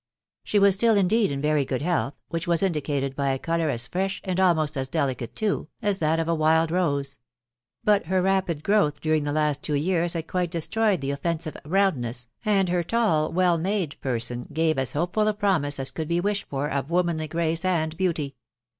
She was still indeed in very good health, which was indicated by a colour as fresh, and almost as delicate too, as that of the wild rose ; but her rapid growth during the last two years had quite destroyed the offensive " roundness," and her tall, well made person, gave as hopeful a promise as could be wished for of womanly grace and beauty.